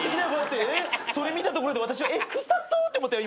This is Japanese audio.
それ見たところで私はえっ臭そうって思ったよ